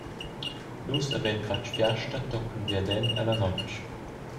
Nus havein fatg fiasta tochen viaden ella notg.